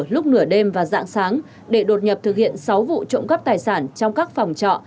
lúc nửa đêm và dạng sáng để đột nhập thực hiện sáu vụ trộm cắp tài sản trong các phòng trọ